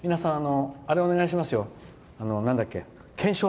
皆さん、あれお願いしますよ。